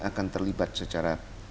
akan terlibat secara